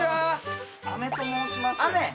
アメと申します。